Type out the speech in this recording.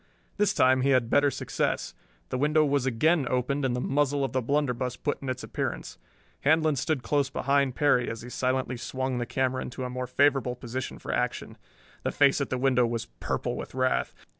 This time he had better success. The window was again opened and the muzzle of the blunderbuss put in its appearance. Handlon stood close behind Perry as he silently swung the camera into a more favorable position for action. The face at the window was purple with wrath.